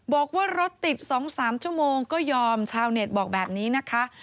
บอกว่ารถติด๒๓ชั่วโมงก็ยอมชาวเน็ตบอกแบบนี้นะคะ